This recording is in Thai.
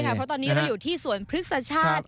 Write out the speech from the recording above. เพราะตอนนี้เราอยู่ที่สวนพฤกษชาติ